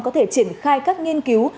có thể triển khai các nghiên cứu